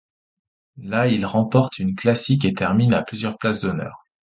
Là, il remporte une classique et termine à plusieurs places d'honneurs.